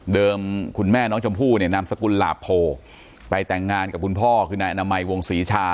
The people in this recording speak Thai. คุณแม่น้องชมพู่เนี่ยนามสกุลหลาโพไปแต่งงานกับคุณพ่อคือนายอนามัยวงศรีชา